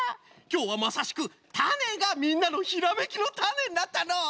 きょうはまさしくたねがみんなのひらめきのタネになったのう！